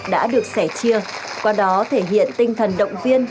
đã được sẻ chia qua đó thể hiện tinh thần động viên